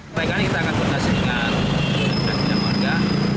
kepalaikan kita akan berdasarkan dengan dinas bina warga